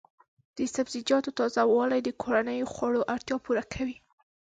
د سبزیجاتو تازه والي د کورنیو خوړو اړتیا پوره کوي.